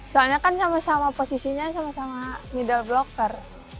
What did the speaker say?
soalnya kan sama sama posisinya sama sama middle blocker